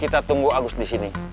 kita tunggu agus disini